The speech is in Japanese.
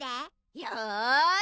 よし。